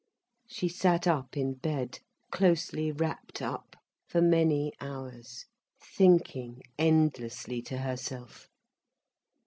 She sat up in bed, closely wrapped up, for many hours, thinking endlessly to herself.